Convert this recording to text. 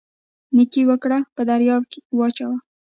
نیکي وکړئ په دریاب یې واچوئ